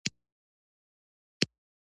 د تفریح له لارې انسان له غمونو لرې کېږي.